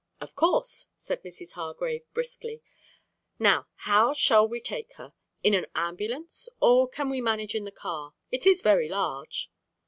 "Of course!" said Mrs. Hargrave briskly, "Now how shall we take her? In an ambulance, or can we manage in the car? It is very large."